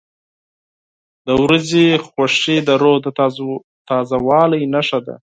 • د ورځې خوښي د روح د تازه والي نښه ده.